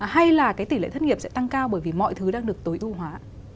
hay là cái tỷ lệ thất nghiệp sẽ tăng cao bởi vì mọi thứ đang được tối ưu hóa